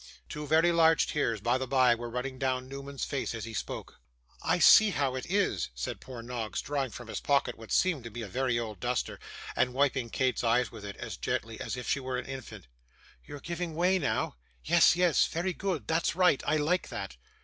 Two very large tears, by the bye, were running down Newman's face as he spoke. 'I see how it is,' said poor Noggs, drawing from his pocket what seemed to be a very old duster, and wiping Kate's eyes with it, as gently as if she were an infant. 'You're giving way now. Yes, yes, very good; that's right, I like that.